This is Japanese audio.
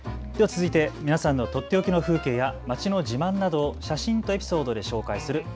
続いて皆さんのとっておきの風景や街の自慢などを写真とエピソードで紹介する＃